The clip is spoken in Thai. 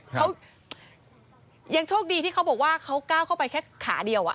เขายังโชคดีที่เขาบอกว่าเขาก้าวเข้าไปแค่ขาเดียว